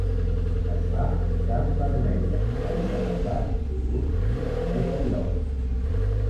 Es fa amb carn vermella, farina de blat, iogurt, mantega i ou.